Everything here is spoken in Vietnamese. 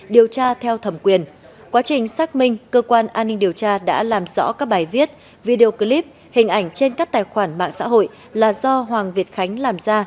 điều tra theo thẩm quyền quá trình xác minh cơ quan an ninh điều tra đã làm rõ các bài viết video clip hình ảnh trên các tài khoản mạng xã hội là do hoàng việt khánh làm ra